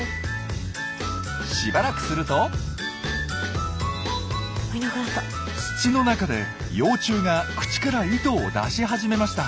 しばらくすると土の中で幼虫が口から糸を出し始めました。